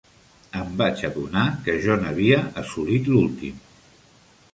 Em vaig adonar que jo n'havia assolit l'últim.